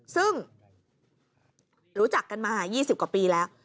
ซึ่งรู้จักกันมา๒๐กว่าปีแล้ว